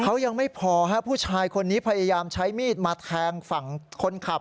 เขายังไม่พอฮะผู้ชายคนนี้พยายามใช้มีดมาแทงฝั่งคนขับ